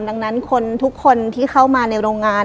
ดังนั้นคนทุกคนที่เข้ามาในโรงงาน